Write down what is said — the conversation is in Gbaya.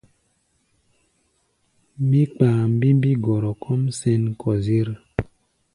Mí kpaá mbimbí gɔrɔ kɔ́ʼm sɛ̌n kɔ-zér.